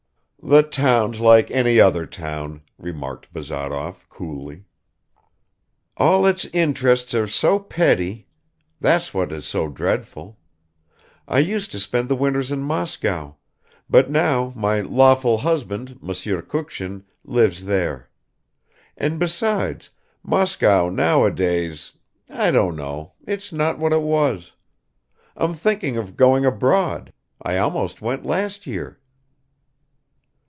"The town's like any other town," remarked Bazarov coolly. "All its interests are so petty, that's what is so dreadful! I used to spend the winters in Moscow ... but now my lawful husband Monsieur Kukshin lives there. And besides, Moscow nowadays I don't know, it's not what it was. I'm thinking of going abroad I almost went last year."